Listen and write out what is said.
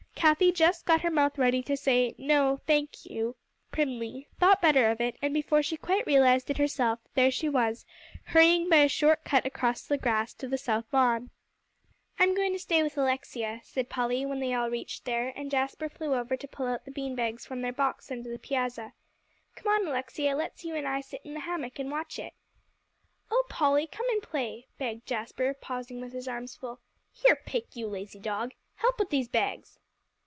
Cathie just got her mouth ready to say, "No, I thank you," primly, thought better of it, and before she quite realized it herself, there she was, hurrying by a short cut across the grass to the south lawn. "I'm going to stay with Alexia," said Polly, when they all reached there, and Jasper flew over to pull out the bean bags from their box under the piazza. "Come on, Alexia, let's you and I sit in the hammock and watch it." "Oh Polly, come and play," begged Jasper, pausing with his arms full. "Here, Pick, you lazy dog. Help with these bags."